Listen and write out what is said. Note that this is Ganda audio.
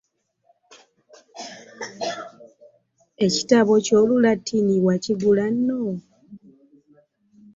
Ekitabo eky'Olulatini wakigula nno?